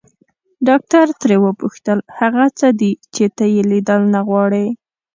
ډاکټر ترې وپوښتل هغه څه دي چې ته يې ليدل نه غواړې.